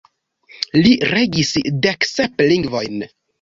Li regis deksep lingvojn.